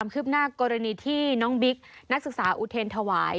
คืบหน้ากรณีที่น้องบิ๊กนักศึกษาอุเทรนธวาย